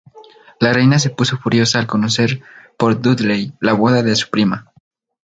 La reina se puso furiosa al conocer por Dudley la boda de su prima.